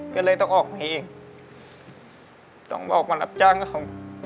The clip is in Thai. ก็เลยต้องออกมาอีกต้องออกมารับจ้างกับเขา